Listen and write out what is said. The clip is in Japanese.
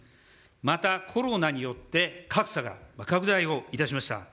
また、コロナによって格差が拡大をいたしました。